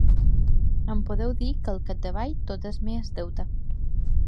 Em podeu dir que al capdavall tot és més deute.